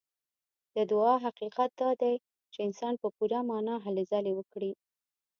د دعا حقيقت دا دی چې انسان په پوره معنا هلې ځلې وکړي.